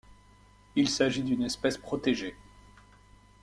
Il s'agit d'une espèce protégée.